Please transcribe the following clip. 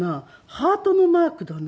ハートのマークだな。